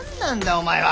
お前は！